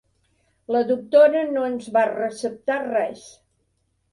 La doctora no ens va receptar res.